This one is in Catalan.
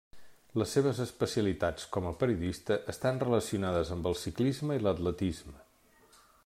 Les seves especialitats, com a periodista, estan relacionades amb el ciclisme i l'atletisme.